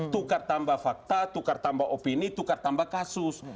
tukar tambah fakta tukar tambah opini tukar tambah kasus